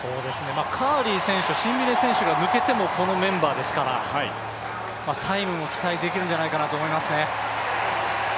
カーリー選手とシンビネ選手が抜けてもこのメンバーですから、タイムも期待できるんじゃないかなと思いますね。